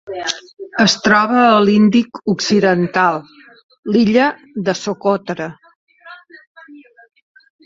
Es troba a l'Índic occidental: l'illa de Socotra.